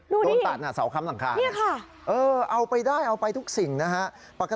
ดูดินี่ค่ะเออเอาไปได้เอาไปทุกสิ่งนะฮะต้นตัดน่ะเสาค้ำหลังคา